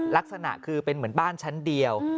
ลักษณะคือเป็นเหมือนบ้านชั้นเดียว